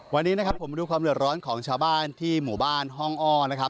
วันนี้นะครับผมมาดูความเดือดร้อนของชาวบ้านที่หมู่บ้านห้องอ้อนะครับ